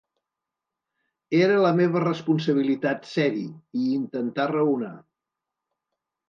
Era la meva responsabilitat, ser-hi, i intentar raonar.